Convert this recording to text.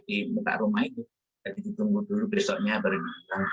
di rumah itu kita tunggu besoknya baru dibuang